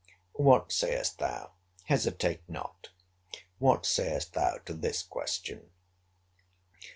—What sayest thou—hesitate not—what sayest thou to this question?